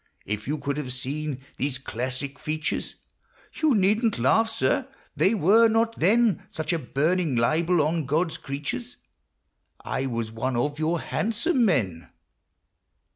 If you could have seen these classic features, — You needn't laugh, sir ; they were not then Such a burning libel on God's creatures ; I Avas one of your handsome men